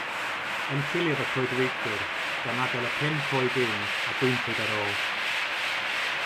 Enciliodd y coedwigwyr gan adael y pum coed ynn a gwympwyd ar ôl.